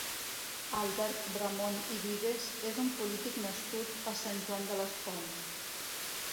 Albert Bramon i Vives és un polític nascut a Sant Joan les Fonts.